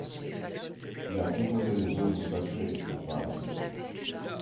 Il a composé des œuvres sacrées et profanes.